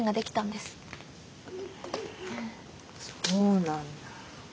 そうなんだ。